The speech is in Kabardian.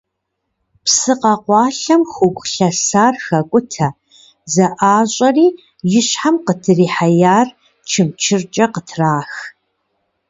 Псы къэкъуалъэм хугу лъэсар хакӏутэ, зэӏащӏэри и щхьэм къыдрихьеяр чымчыркӏэ къытрах.